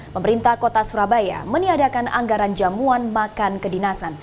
pemerintah kota surabaya meniadakan anggaran jamuan makan ke dinasan